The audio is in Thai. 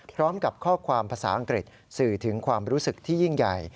พร้อมกับข้อความภาษาอังกฤษสื่อถึงความรู้สึกที่ยิ่งใหญ่